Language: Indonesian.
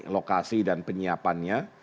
lokasi dan penyiapannya